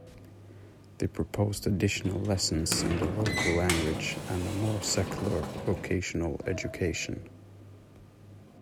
They proposed additional lessons in the local language and a more secular vocational education.